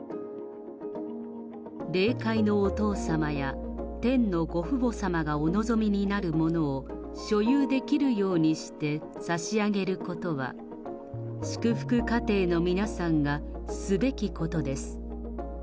霊界のお父様や天の御父母様がお望みになるものを所有できるようにしてさしあげることは祝福家庭の皆さんが、すべきことです。